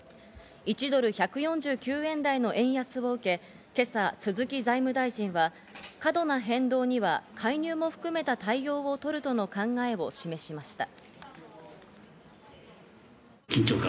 １ドル＝１４９円台の円安を受け、今朝、鈴木財務大臣は過度な変動には介入も含めた対応をとるとの考えを示しました。